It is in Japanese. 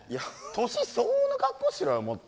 年相応の格好しろよもっと。